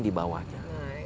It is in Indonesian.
nah itu dia